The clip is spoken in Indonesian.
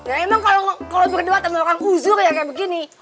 emang kalau berdua teman orang huzur ya kayak begini